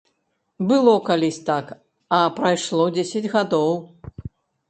Было калісь так, а прайшло дзесяць гадоў!